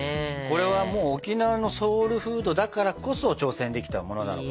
これは沖縄のソウルフードだからこそ挑戦できたものなのかもね。